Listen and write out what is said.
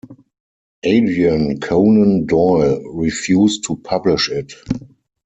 Adrian Conan Doyle refused to publish it.